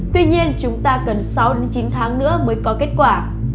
tuy nhiên chúng ta cần sáu đến chín tháng nữa mới có kết quả